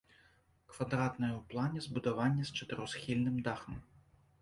Квадратнае ў плане збудаванне з чатырохсхільным дахам.